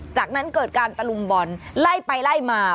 จากนั้นเกิดการตะลุมบอลไล่ไปไล่มา